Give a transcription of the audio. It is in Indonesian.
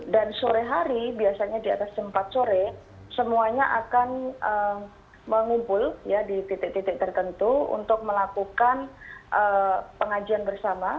dan sore hari biasanya di atas empat sore semuanya akan mengumpul ya di titik titik tertentu untuk melakukan pengajian bersama